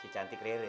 si cantik rere